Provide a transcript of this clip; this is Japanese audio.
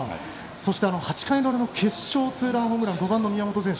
８回の裏の決勝ツーランホームラン５番の宮本選手